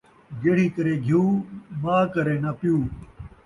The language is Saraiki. جیڑھی کرے گھیو ، ماء کرے ناں پیو